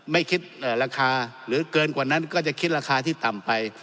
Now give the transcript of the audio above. ไม่คิดราคาหรือเกินกว่านั้นก็จะคิดราคาที่ต่ำไป